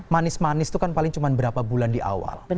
manis manis itu kan paling cuma berapa bulan di awal